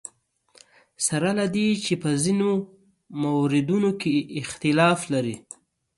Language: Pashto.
سره له دې چې په ځینو موردونو اختلاف لري.